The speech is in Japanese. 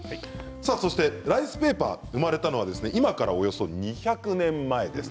そしてライスペーパーが生まれたのは今からおよそ２００年前です。